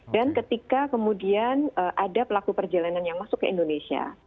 dan ketika kemudian ada pelaku perjalanan yang masuk ke indonesia